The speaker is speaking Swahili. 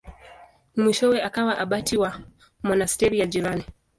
Mwishowe akawa abati wa monasteri ya jirani.